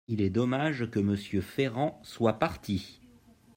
Il est dommage que Monsieur Ferrand soit parti.